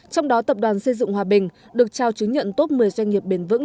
trong đó tập đoàn xây dựng hòa bình được trao chứng nhận top một mươi doanh nghiệp bền vững